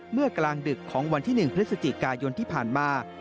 เมื่อกลางดึกของวันที่๑พฤศจิกายนที่ผ่านมา